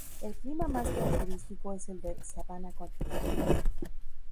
El clima más característico es el de sabana continental.